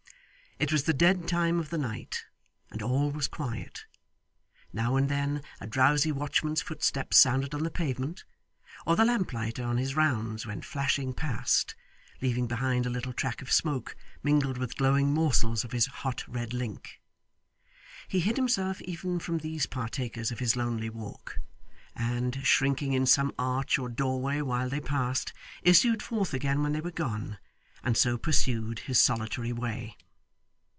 It was the dead time of the night, and all was quiet. Now and then a drowsy watchman's footsteps sounded on the pavement, or the lamplighter on his rounds went flashing past, leaving behind a little track of smoke mingled with glowing morsels of his hot red link. He hid himself even from these partakers of his lonely walk, and, shrinking in some arch or doorway while they passed, issued forth again when they were gone and so pursued his solitary way.